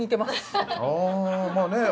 まあね